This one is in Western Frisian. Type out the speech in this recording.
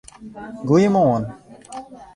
Goeiemoarn!